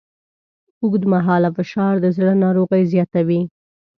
اوږدمهاله فشار د زړه ناروغۍ زیاتوي.